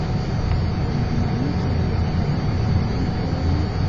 پر نعماني چې مې د ملايکو ګومان کړى و.